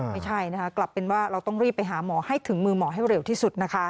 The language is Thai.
ไม่ใช่นะคะกลับเป็นว่าเราต้องรีบไปหาหมอให้ถึงมือหมอให้เร็วที่สุดนะคะ